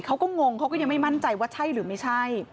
งงเขาก็ยังไม่มั่นใจว่าใช่หรือไม่ใช่